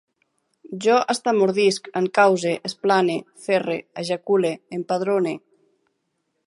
Jo estamordisc, encause, esplane, ferre, ejacule, empadrone